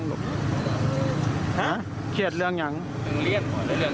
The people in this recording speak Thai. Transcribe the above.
เรื่องเรียนเรื่องยังค่ะ